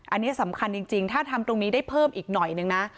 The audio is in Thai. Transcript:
อันนี้สำคัญจริงถ้าทำตรงนี้ได้เพิ่มอีกหน่อยนึงนะ